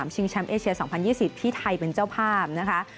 ชิงแชมป์เอเชีย๒๐๒๐ที่ไทยเป็นเจ้าภาพนะคะ